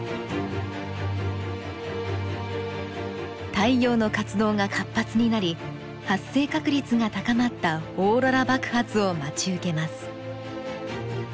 太陽の活動が活発になり発生確率が高まったオーロラ爆発を待ち受けます。